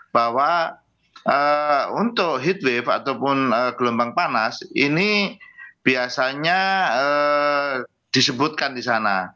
bahwa untuk heat wave ataupun gelombang panas ini biasanya disebutkan di sana